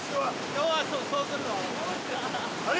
今日はそうするぞ。